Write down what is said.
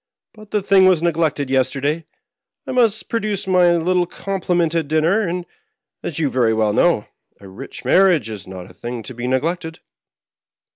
But the thing was neglected yesterday ; I must produce my little com pliment at dinner; and, as you very well know, a rich marriage is not a thing to be neglected."